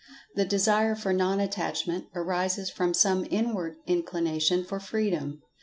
The Desire for Non attachment arises from some inward inclination for Freedom.